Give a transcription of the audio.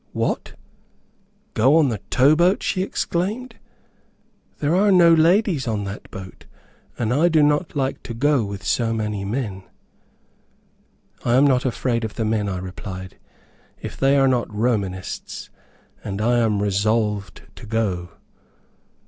"What! go on the tow boat!" she exclaimed, "There are no ladies on that boat, and I do not like to go with so many men." "I am not afraid of the men," I replied, "if they are not Romanists, and I am resolved to go."